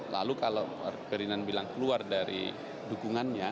lalu kalau ferdinand bilang keluar dari dukungannya